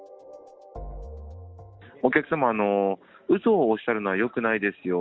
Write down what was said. お客様、うそをおっしゃるのは、よくないですよ。